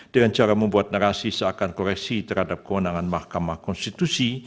dengan cara membuat narasi seakan koresi terhadap kewenangan mahkamah konstitusi